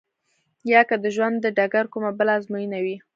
يا که د ژوند د ډګر کومه بله ازموينه وي.